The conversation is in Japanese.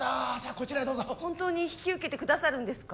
こちらへどうぞ本当に引き受けてくださるんですか？